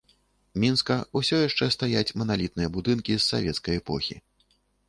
Мінска ўсё яшчэ стаяць маналітныя будынкі з савецкай эпохі.